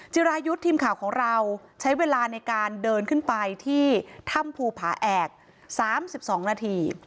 จิรายุทธ์ทีมข่าวของเราใช้เวลาในการเดินขึ้นไปที่ถ้ำภูผาแอก๓๒นาที